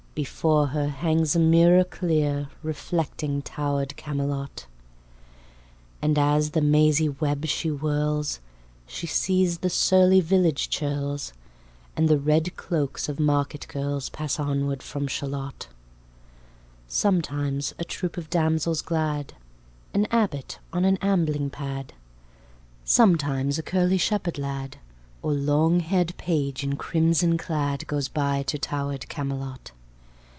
Before her hangs a mirror clear, Reflecting towered Camelot. And, as the mazy web she whirls, She sees the surly village churls, And the red cloaks of market girls, Pass onward from Shalott. Sometimes a troop of damsels glad, An abbot on an ambling pad, Sometimes a curly shepherd lad, Or longhaired page, in crimson clad, Goes by to towered Camelot.